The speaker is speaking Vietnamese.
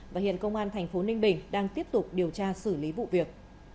và hiện công an thành phố ninh bình đang tiếp tục điều tra xử lý vụ việc